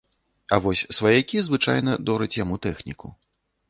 А вось сваякі звычайна дораць яму тэхніку.